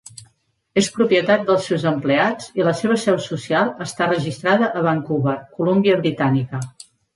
És propietat dels seus empleats i la seva seu social està registrada a Vancouver, Columbia Britànica.